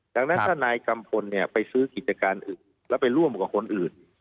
ดังนั้นถ้านายกัมพลเนี่ยไปซื้อกิจการอื่นแล้วไปร่วมกับคนอื่น